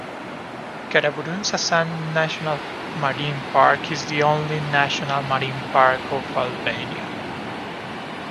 Karaburun Sazan National Marine Park is the only national marine park of Albania.